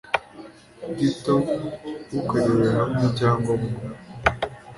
gito bukorewe hamwe cyangwa bumwe